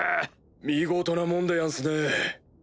見事なもんでやんすね。